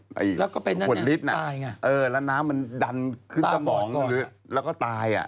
ไปผลฤทธิ์อ่ะแล้วน้ำมันดันแล้วก็ตายอ่ะ